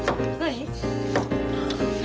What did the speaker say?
何？